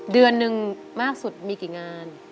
เดือนหนึ่งมากสุดมีกี่งาน